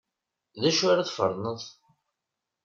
D acu ara tferned?